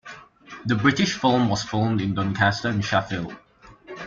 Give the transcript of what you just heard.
The British film was filmed in Doncaster and Sheffield.